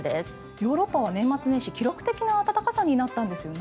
ヨーロッパは年末年始記録的な暖かさになったんですよね。